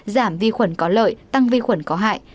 giảm vi khuẩn có lợi tăng vi khuẩn có hại